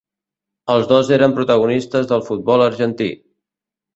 Els dos eren protagonistes del futbol argentí.